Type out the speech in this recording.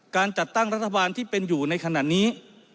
การจัดตั้งรัฐบาลที่เป็นอยู่ในขณะนี้